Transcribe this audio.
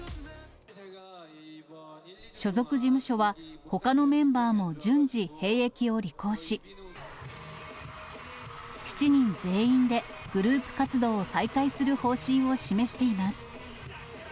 所属事務所は、ほかのメンバーも順次、兵役を履行し、７人全員でグループ活動を再開する方針を示しています。